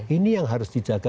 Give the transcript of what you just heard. ini yang harus dijaga